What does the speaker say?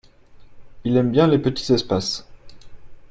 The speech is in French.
Il aime bien les petits espaces.